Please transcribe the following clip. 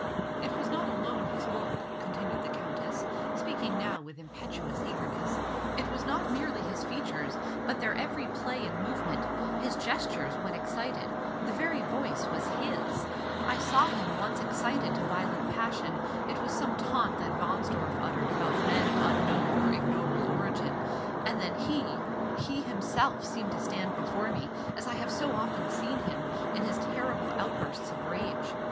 "It was not alone his look," continued the Countess, speaking now with impetuous eagerness, "it was not merely his features, but their every play and movement; his gestures when excited; the very voice was his. I saw him once excited to violent passion; it was some taunt that Wahnsdorf uttered about men of unknown or ignoble origin; and then He he himself seemed to stand before me as I have so often seen him, in his terrible outbursts of rage.